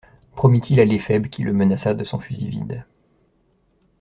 Promit-il, à l'éphèbe qui le menaça de son fusil vide.